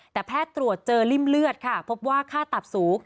แต่แพทย์ตรวจเจอริ่มเลือดค่ะพบว่าค่าตับสูง